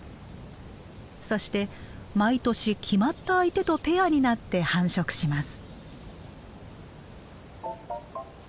そして毎年決まった相手とペアになって繁殖します。